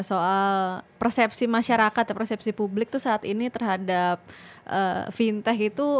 soal persepsi masyarakat persepsi publik itu saat ini terhadap fintech itu